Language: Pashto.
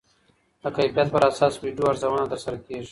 د کیفیت پر اساس ویډیو ارزونه ترسره کېږي.